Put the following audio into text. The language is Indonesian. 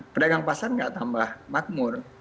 pedagang pasar nggak tambah makmur